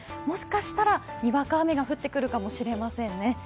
もしかしたらにわか雨が降ってくるかもしれませんね。